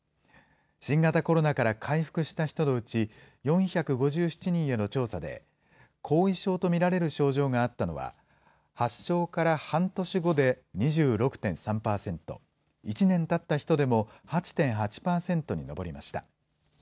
新型コロナから回復した人のうち、４５７人への調査で、後遺症と見られる症状があったのは、発症から半年後で２６．３％、１年たった人でも８．８％に上りました。